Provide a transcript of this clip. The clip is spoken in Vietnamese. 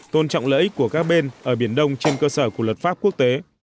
tôn trọng lợi ích của các bên ở biển đông trên cơ sở của luật pháp quốc tế